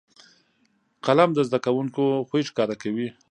قلم د زده کوونکو خوی ښکاره کوي